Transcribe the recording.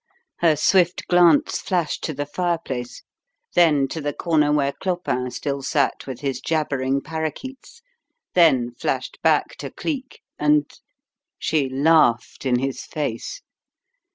Her swift glance flashed to the fireplace, then to the corner where Clopin still sat with his jabbering parakeets, then flashed back to Cleek, and she laughed in his face.